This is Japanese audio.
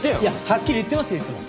はっきり言ってますよいつも。